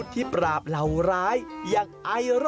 เป็นเพียงคติคำสอนใจเท่านั้นและในส่วนมุมอื่นยังมีรูปปั้นซุปเปอร์ฮีโร่